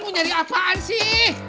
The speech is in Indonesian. mau nyari apaan sih